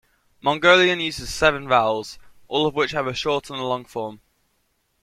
Mongolian uses seven vowels, all of which have a short and a long form.